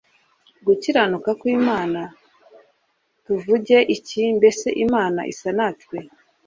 gukiranuka kw' imana tuvuge iki mbese imana isa natwe